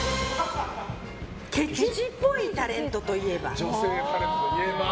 ケチっぽい女性タレントといえば？